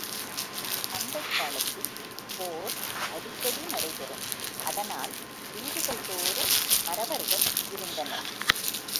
பண்டைக் காலத்தில் போர் அடிக்கடி நடைபெறும், அதனால், வீடுகள் தோறும் மறவர்கள் இருந்தனர்.